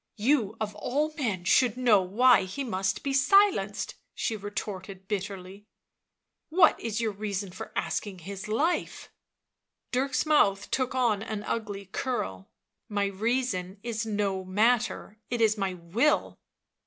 " You of all men should know why he must be silenced, 77 she retorted bitterly. " What is your reason for asking his life 1" Dirk 7 s mouth took on an ugly curl. " My reason is no matter — it is my will.